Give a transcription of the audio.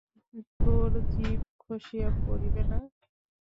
তোর জিব খসিয়া পড়িবে না!